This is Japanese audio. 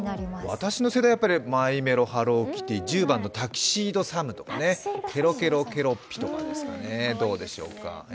私の世代はマイメロハローキティ１０番のタキシードサムとかけろけろケロッピとかですかね。